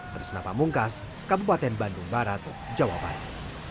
bersempat mengkas kabupaten bandung barat jawabannya